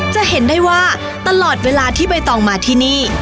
จะเห็นได้ว่าตลอดเวลาที่ใบตองมาที่นี่